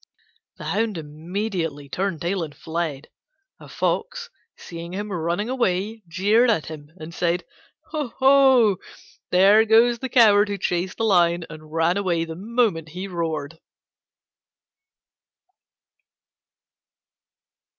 The Hound immediately turned tail and fled. A Fox, seeing him running away, jeered at him and said, "Ho! ho! There goes the coward who chased a lion and ran away the moment he roared!"